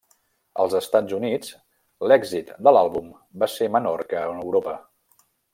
Als Estats Units, l'èxit de l'àlbum va ser menor que en Europa.